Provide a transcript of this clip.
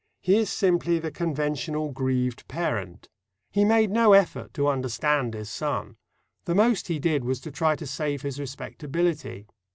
He is simply the conventional grieved parent. He made no effort to understand his son. The most he did was to try to save his respectability.